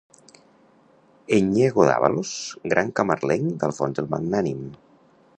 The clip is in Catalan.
Enyego d'Àvalos, gran camarlenc d'Alfons el Magnànim.